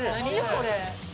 これ。